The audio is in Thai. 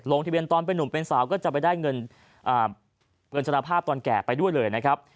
ทะเบียนตอนเป็นนุ่มเป็นสาวก็จะไปได้เงินเกินสารภาพตอนแก่ไปด้วยเลยนะครับ